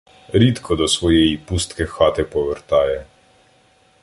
Рідко до своєї пустки-хати повертає.